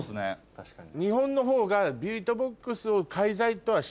確かに。